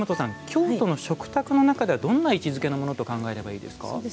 京都の食卓の中ではどんな位置づけのものと考えればいいですか？